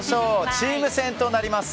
チーム戦となります。